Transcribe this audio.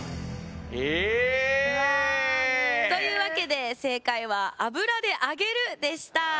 ええ。というわけで正解は油で揚げるでした。